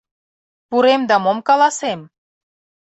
Пурем да мом каласем?